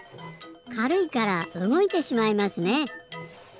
かるいからうごいてしまいますね。